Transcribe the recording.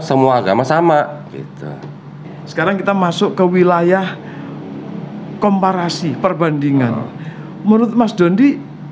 semua agama sama gitu sekarang kita masuk ke wilayah komparasi perbandingan menurut mas dondi